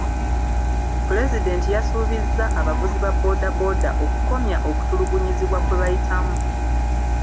Pulezidenti yasuubizza abavuzi ba boodabooda okukomya okutulugunyizibwa kwe bayitamu.